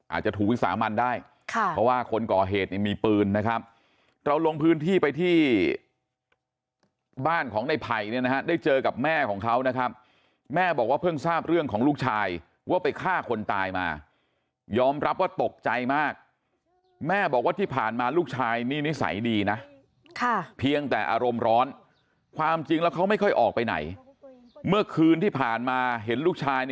อาจจะถูกวิสามันได้ค่ะเพราะว่าคนก่อเหตุเนี่ยมีปืนนะครับเราลงพื้นที่ไปที่บ้านของในไผ่เนี่ยนะฮะได้เจอกับแม่ของเขานะครับแม่บอกว่าเพิ่งทราบเรื่องของลูกชายว่าไปฆ่าคนตายมายอมรับว่าตกใจมากแม่บอกว่าที่ผ่านมาลูกชายนี่นิสัยดีนะเพียงแต่อารมณ์ร้อนความจริงแล้วเขาไม่ค่อยออกไปไหนเมื่อคืนที่ผ่านมาเห็นลูกชาย